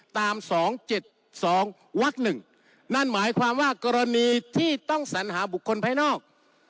ตามสองเจ็ดสองวักหนึ่งนั่นหมายความว่ากรณีที่ต้องสัญหาบุคคลภายนอก